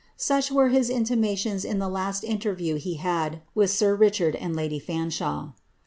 Such were his intimations in the last interview he had with sir Richard and lady Fanshawe.